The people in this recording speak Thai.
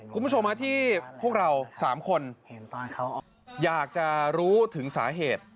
คุณผู้ชมที่พวกเรา๓คนอยากจะรู้ถึงสาเหตุ